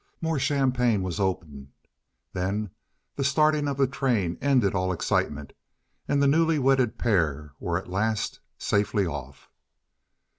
More champagne was opened; then the starting of the train ended all excitement, and the newly wedded pair were at last safely off.